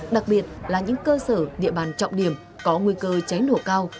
đặc biệt là những cơ sở địa bàn trọng điểm có nguy cơ cháy nổ cao